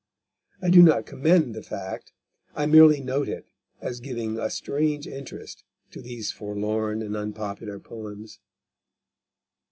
I do not commend the fact; I merely note it as giving a strange interest to these forlorn and unpopular poems.